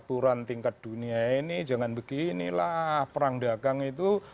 aturan tingkat dunia ini jangan beginilah perang dagang itu